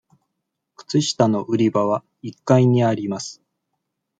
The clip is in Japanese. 靴下の売り場は一階にあります。